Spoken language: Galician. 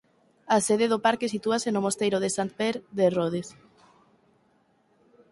A sede do parque sitúase no mosteiro de Sant Pere de Rodes.